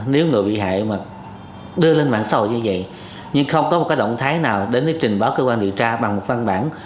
nếu người bị hại mà đưa lên mảnh sâu như vậy nhưng không có một cái động thái nào đến với trình báo cơ quan điều tra bằng một văn bản